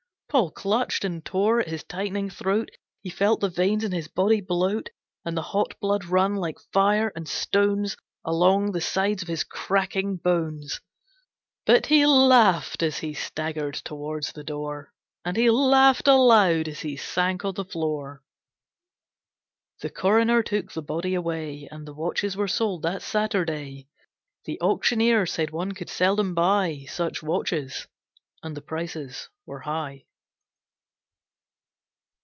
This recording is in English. Paul clutched and tore at his tightening throat. He felt the veins in his body bloat, And the hot blood run like fire and stones Along the sides of his cracking bones. But he laughed as he staggered towards the door, And he laughed aloud as he sank on the floor. The Coroner took the body away, And the watches were sold that Saturday. The Auctioneer said one could seldom buy Such watches, and the prices were high.